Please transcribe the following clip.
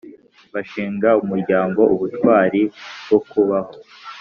bashinga umuryango Ubutwari bwo kubaho